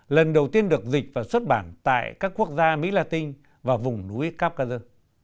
lần đầu tiên được dịch và xuất bản tại các quốc gia mỹ la tinh và vùng núi cáp ca dơ